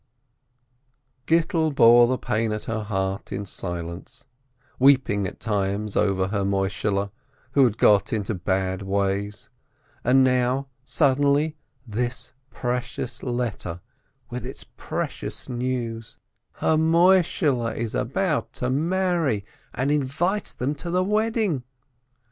98 SPEKTOR Gittel bore the pain at her heart in silence, weeping at times over her Moishehle, who had got into bad ways — and now, suddenly, this precious letter with its precious news: Her Moishehle is about to marry, and invites them to the wedding